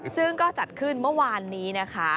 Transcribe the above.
ซึ่งก็จัดขึ้นเมื่อวานนี้นะคะ